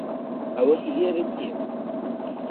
ئەوە هی ئێرە نییە.